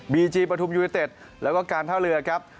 ีจีปฐุมยูเนเต็ดแล้วก็การท่าเรือครับ